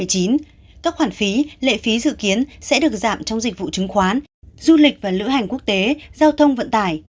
các khoản phí lệ phí dự kiến sẽ được giảm trong dịch vụ chứng khoán du lịch và lữ hành quốc tế giao thông vận tải